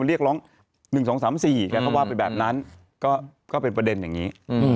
เรียกร้อง๑๒๓๔แกก็ว่าไปแบบนั้นก็เป็นประเด็นอย่างนี้